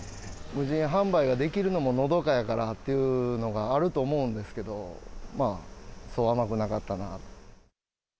無人販売ができるのものどかやからっていうのもあると思うんですけど、そう甘くなかったな。